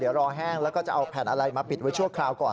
เดี๋ยวรอแห้งแล้วก็จะเอาแผ่นอะไรมาปิดไว้ชั่วคราวก่อน